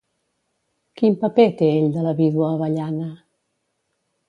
Quin paper té ell de la vídua Avellana?